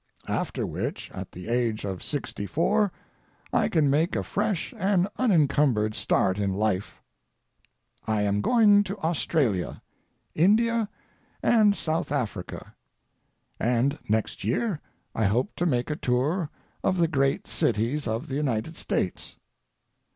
"After which, at the age of sixty four, I can make a fresh and unincumbered start in life. I am going to Australia, India, and South Africa, and next year I hope to make a tour of the great cities of the United States."